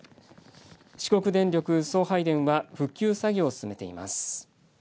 四国電力送配電は復旧作業を進めています。